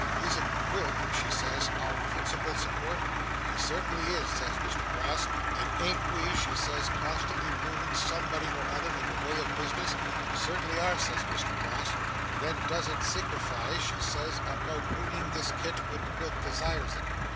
Isn't Quilp," she says, "our principal support?" "He certainly is," says Mr Brass, "And an't we," she says, "constantly ruining somebody or other in the way of business?" "We certainly are," says Mr Brass. "Then does it signify," she says, "about ruining this Kit when Quilp desires it?"